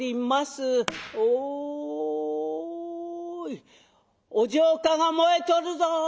「おいお城下が燃えとるぞ！